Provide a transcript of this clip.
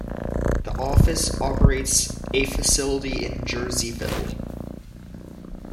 The office operates a facility in Jerseyville.